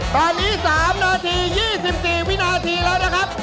ตอนนี้๓นาที๒๔วินาทีแล้วนะครับ